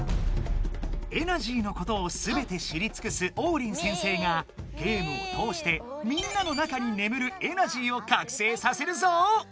エナジーのことをすべて知りつくすオウリン先生がゲームをとおしてみんなの中にねむるエナジーをかくせいさせるぞ！